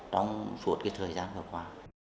trong suốt thời gian vừa qua